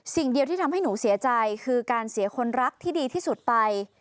สิ่งเดียวที่ทำให้หนูเสียใจคือการเสียคนรักที่ดีที่สุดไป